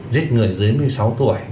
giết người dưới một mươi sáu tuổi